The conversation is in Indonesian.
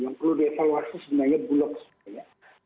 yang perlu dievaluasi sebenarnya bulog sebenarnya